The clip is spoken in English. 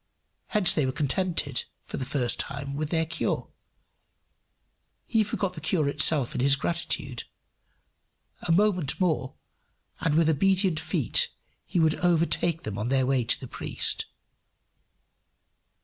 Hence they were contented, for the time, with their cure: he forgot the cure itself in his gratitude. A moment more, and with obedient feet he would overtake them on their way to the priest.